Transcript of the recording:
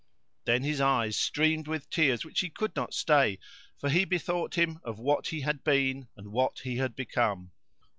Then his eyes streamed with tears which he could not stay, for he bethought him of what he had been and what he had become.